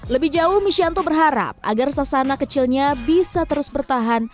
lebih jauh mishanto berharap agar sasana kecilnya bisa terus bertahan